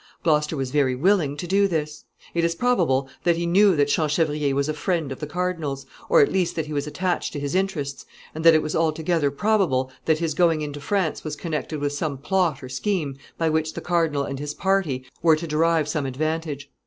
Gloucester was very willing to do this. It is probable that he knew that Champchevrier was a friend of the cardinal's, or at least that he was attached to his interests, and that it was altogether probable that his going into France was connected with some plot or scheme by which the cardinal and his party were to derive some advantage.